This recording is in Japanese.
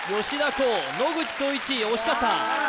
晄野口聡一惜しかった・あ